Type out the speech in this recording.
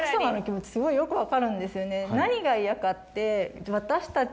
何が嫌かって。